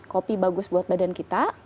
kopi bagus buat badan kita